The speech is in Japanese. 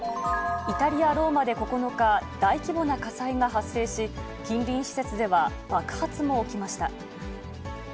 イタリア・ローマで９日、大規模な火災が発生し、近隣施設では爆発も起きました。